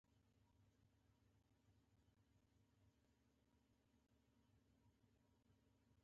له لومړۍ ورځې معلومه شوه چې هغه غولول ممکن نه دي.